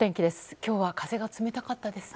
今日は風が冷たかったですね。